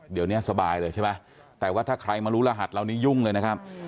เดี๋ยวนี้สบายเลยใช่ไหมแต่ว่าถ้าใครมารู้รหัสเหล่านี้ยุ่งเลยนะครับ